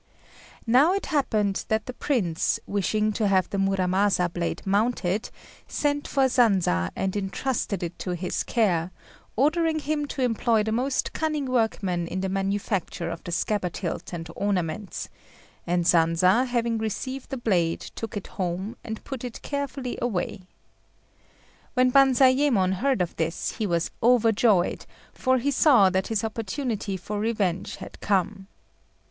Now it happened that the Prince, wishing to have the Muramasa blade mounted, sent for Sanza and entrusted it to his care, ordering him to employ the most cunning workmen in the manufacture of the scabbard hilt and ornaments; and Sanza, having received the blade, took it home, and put it carefully away. When Banzayémon heard of this, he was overjoyed; for he saw that his opportunity for revenge had come.